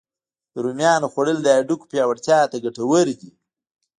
د رومیانو خوړل د هډوکو پیاوړتیا ته ګتور دی